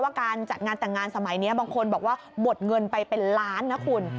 การจัดงานแต่งงานสมัยนี้บางคนบอกว่าหมดเงินไปเป็นล้านนะคุณ